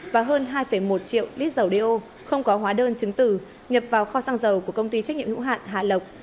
và hơn hai một triệu lít dầu đeo không có hóa đơn chứng từ nhập vào kho xăng dầu của công ty trách nhiệm nữ hạn hà lộc